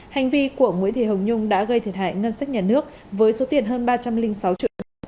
hành vi của nguyễn thị hồng nhung đã gây thiệt hại ngân sách nhà nước với số tiền hơn ba trăm linh sáu triệu